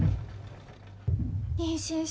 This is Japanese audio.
妊娠した。